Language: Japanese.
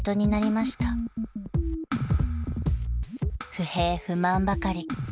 ［不平不満ばかり］